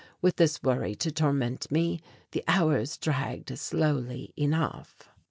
With this worry to torment me, the hours dragged slowly enough.